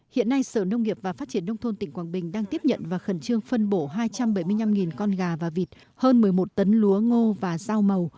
hiện nay sở nông nghiệp và phát triển nông thôn tỉnh quảng bình đang tiếp nhận và khẩn trương phân bổ hai trăm bảy mươi năm con gà và vịt hơn một mươi một tấn lúa ngô và rau màu